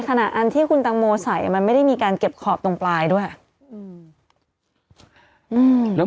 อันที่คุณตังโมใส่มันไม่ได้มีการเก็บขอบตรงปลายด้วยอ่ะอืมแล้ว